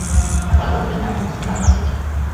তারপর আল্লাহ বলবেন, তারা কোন বস্তু থেকে আশ্রয় চায়?